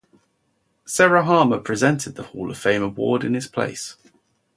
Sarah Harmer presented the Hall of Fame award in his place.